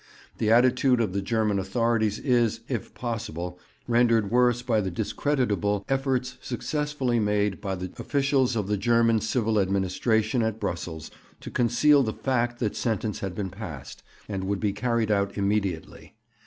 'The attitude of the German authorities is, if possible, rendered worse by the discreditable efforts successfully made by the officials of the German civil administration at Brussels to conceal the fact that sentence had been passed, and would be carried out immediately.